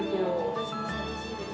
私も寂しいです。